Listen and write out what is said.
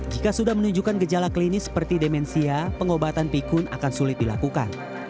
jika sudah menunjukkan gejala klinis seperti demensia pengobatan pikun akan sulit dilakukan